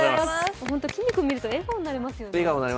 きんに君見ると笑顔になりますよね。